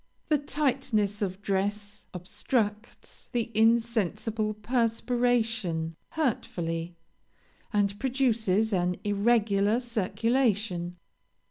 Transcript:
The tightness of dress obstructs the insensible perspiration hurtfully, and produces an irregular circulation.